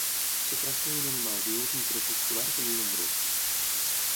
Es tracta d'un animal diürn i crepuscular que viu en grups.